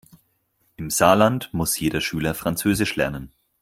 Im Saarland muss jeder Schüler französisch lernen.